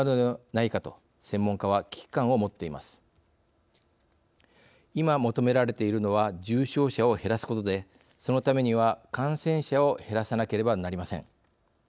いま、求められているのは重症者を減らすことでそのためには、感染者を減らさなければなりません。